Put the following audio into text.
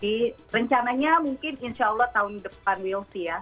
jadi rencananya mungkin insya allah tahun depan will sih ya